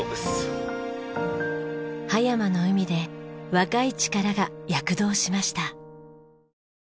葉山の海で若い力が躍動しました。